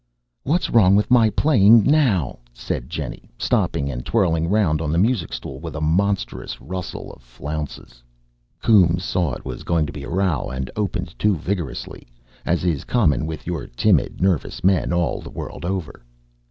"What's wrong with my playing now?" said Jennie, stopping and twirling round on the music stool with a monstrous rustle of flounces. Coombes saw it was going to be a row, and opened too vigorously, as is common with your timid, nervous men all the world over.